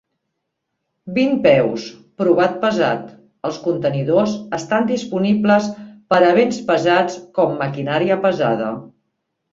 Vint peus, "provat pesat" els contenidors estan disponibles per a béns pesats com maquinària pesada.